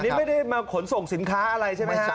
อันนี้ไม่ได้มาขนส่งสินค้าอะไรใช่ไหมครับ